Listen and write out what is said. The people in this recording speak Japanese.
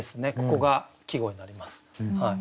ここが季語になります。